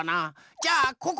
じゃあここ！